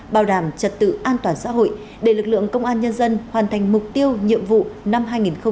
bảo đảm trật tự an toàn xã hội để lực lượng công an nhân dân hoàn thành mục tiêu nhiệm vụ năm hai nghìn hai mươi bốn